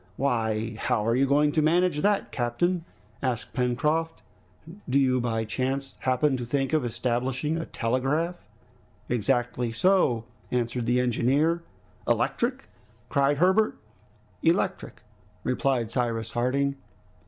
"Why! how are you going to manage that, captain?" asked Pencroft. "Do you by chance happen to think of establishing a telegraph?" "Exactly so," answered the engineer. "Electric?" cried Herbert. "Electric," replied Cyrus Harding.